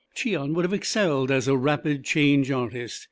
(Cheon would have excelled as a rapid change artist).